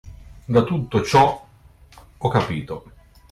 Da tutto ciò ho capito